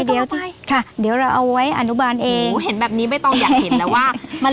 ไม่ต้องเอาไปค่ะเดี๋ยวเราเอาไว้อนุบาลเองโหเห็นแบบนี้ไม่ต้องอยากเห็นแล้วว่า